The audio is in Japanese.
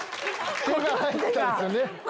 手が入ってたんですよね。